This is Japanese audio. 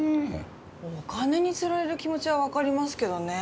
お金に釣られる気持ちは分かりますけどね